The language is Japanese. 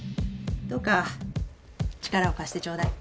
どうか力を貸してちょうだい。